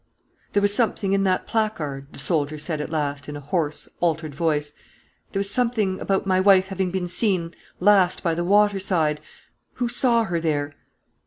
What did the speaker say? "There was something in that placard," the soldier said at last, in a hoarse, altered voice, "there was something about my wife having been seen last by the water side. Who saw her there?"